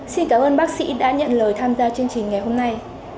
xin cảm ơn bác sĩ đã nhận lời tham gia chương trình ngày hôm nay